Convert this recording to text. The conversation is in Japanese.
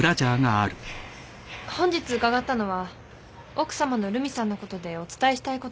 本日伺ったのは奥さまの留美さんのことでお伝えしたいことが。